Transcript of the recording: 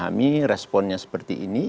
saya memahami responnya seperti ini